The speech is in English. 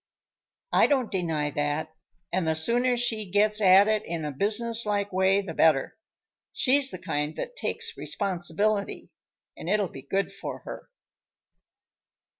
"I don't deny that, and the sooner she gets at it in a businesslike way, the better. She's the kind that takes responsibility, and it'll be good for her."